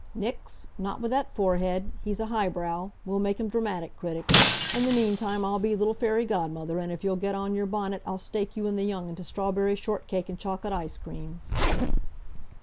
"Nix. Not with that forehead. He's a high brow. We'll make him dramatic critic. In the meantime, I'll be little fairy godmother, an' if you'll get on your bonnet I'll stake you and the young 'un to strawberry shortcake an' chocolate ice cream."